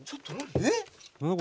「えっ？」